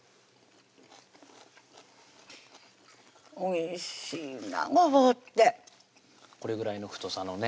おいしいなごぼうってこれぐらいの太さのね